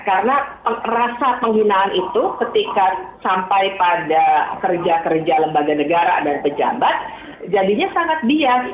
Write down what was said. karena rasa penghinaan itu ketika sampai pada kerja kerja lembaga negara dan pejabat jadinya sangat biar